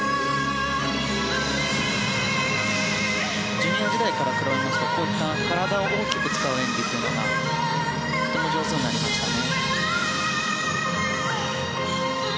ジュニア時代から比べますとこういった体を大きく使う演技というのがとても上手になりましたね。